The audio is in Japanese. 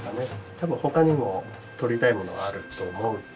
多分ほかにも撮りたいものはあると思うんで。